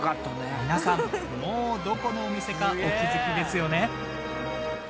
皆さんもうどこのお店かお気づきですよね。